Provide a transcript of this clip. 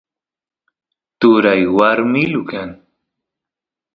turay warmilu kan